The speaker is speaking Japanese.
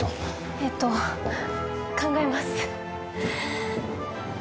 えっと考えます。